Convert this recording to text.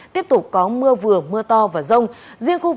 tiếp tục có mưa vừa mưa to và rông